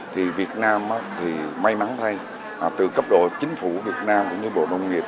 thì việt nam thì may mắn thay từ cấp độ chính phủ việt nam cũng như bộ nông nghiệp